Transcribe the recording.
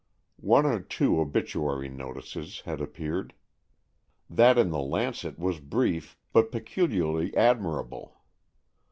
One or two obituary notices had appeared. That in the Lancet was brief, but peculiarly admirable.